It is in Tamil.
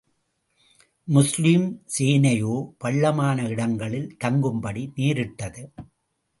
முஸ்லிம் சேனையோ பள்ளமான இடங்களில் தங்கும்படி நேரிட்டது.